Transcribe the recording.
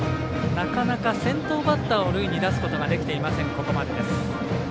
なかなか先頭バッターを塁に出すことができていませんここまでです。